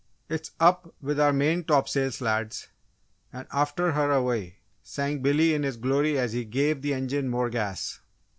"It's up with our main topsails, lads, and after her away," sang Billy in his glory as he gave the engine more gas.